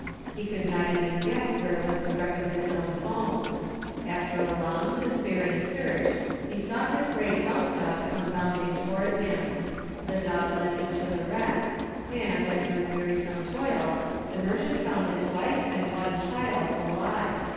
He could not even guess where was the wreck of his own home. After a [Illustration: WRECK AT MENDOZA.] long, despairing search, he saw his great house dog come bounding toward him. The dog led him to the wreck; and, after wearisome toil, the merchant found his wife and one child alive.